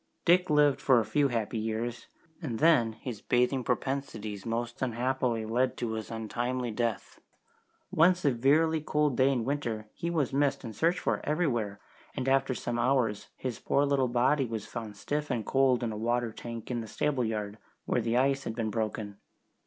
Dick lived for a few happy years, and then his bathing propensities most unhappily led to his untimely death. One severely cold day in winter he was missed and searched for everywhere, and after some hours his poor little body was found stiff and cold in a water tank in the stable yard, where the ice had been broken.